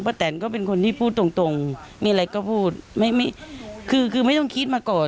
แตนก็เป็นคนที่พูดตรงตรงมีอะไรก็พูดไม่ไม่คือคือไม่ต้องคิดมาก่อน